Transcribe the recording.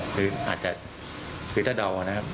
คืออาจจะคือถ้าเดานะครับ